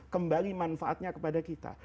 kembali manfaatnya kepada kita